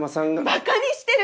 バカにしてる！？